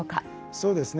そうですね。